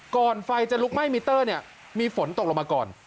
ไฟจะลุกไหม้มิเตอร์เนี่ยมีฝนตกลงมาก่อน